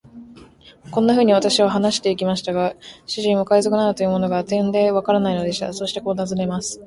こんなふうに私は話してゆきましたが、主人は海賊などというものが、てんでわからないのでした。そしてこう尋ねます。